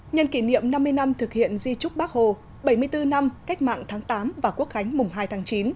nhân kỷ niệm năm mươi năm thực hiện di trúc bác hồ bảy mươi bốn năm cách mạng tháng tám và quốc khánh mùng hai tháng chín